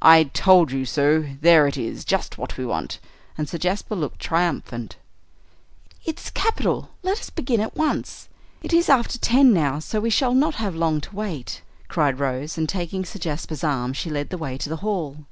"I told you so! There it is, just what we want." And Sir Jasper looked triumphant. "It's capital let us begin at once. It is after ten now, so we shall not have long to wait," cried Rose, and, taking Sir Jasper's arm, she led the way to the hall.